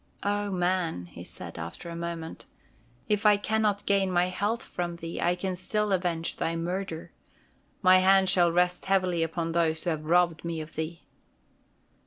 "O Man!" he said, after a moment, "if I can not gain my health from thee, I can still avenge thy murder. My hand shall rest heavily upon those who have robbed me of thee!"